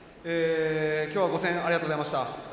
今日はご声援ありがとうございました。